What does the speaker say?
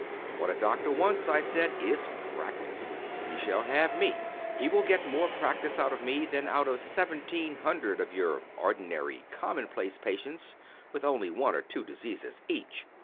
"What a doctor wants," I said, "is practice. He shall have me. He will get more practice out of me than out of seventeen hundred of your ordinary, commonplace patients, with only one or two diseases each."